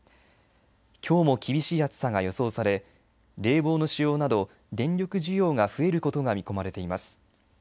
きょうも厳しい暑さが予想され冷房の使用など電力需要が増えることが見込まれています。